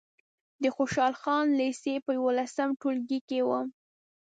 د خوشحال خان لېسې په یولسم ټولګي کې وم.